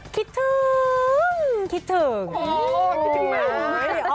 คิดถึงคิดถึงอ๋อคิดถึงนะ